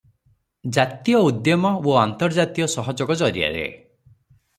ଜାତୀୟ ଉଦ୍ୟମ ଓ ଆନ୍ତର୍ଜାତୀୟ ସହଯୋଗ ଜରିଆରେ ।